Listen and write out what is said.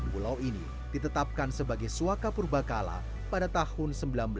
pulau ini ditetapkan sebagai suaka purba kala pada tahun seribu sembilan ratus sembilan puluh